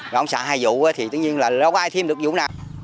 mấy ổng xả hai vụ thì tự nhiên là đâu có ai thêm được vụ nào